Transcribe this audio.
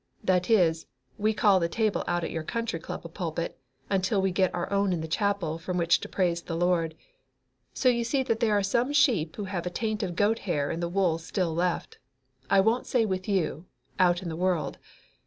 That is, we call the table out at your Country Club a pulpit, until we get our own in the chapel from which to praise the Lord. So you see that there are some sheep who have a taint of goat hair in their wool still left I won't say with you out in the world.